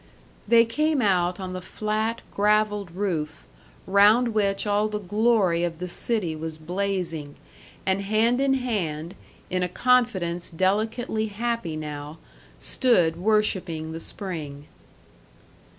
They came out on the flat, graveled roof, round which all the glory of the city was blazing, and hand in hand, in a confidence delicately happy now, stood worshiping the spring.